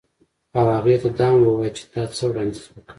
او هغې ته دا هم ووایه چې تا څه وړاندیز وکړ